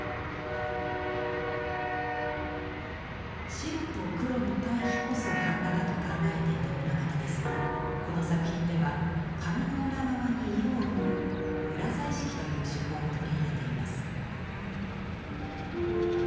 白と黒の対比こそ板画だと考えていた棟方ですがこの作品では紙の裏側に色を塗る裏彩色という手法を取り入れています。